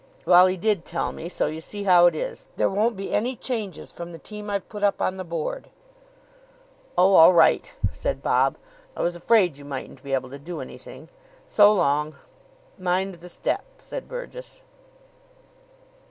"Well, he did tell me. So you see how it is. There won't be any changes from the team I've put up on the board." "Oh, all right," said Bob. "I was afraid you mightn't be able to do anything. So long." "Mind the step," said Burgess.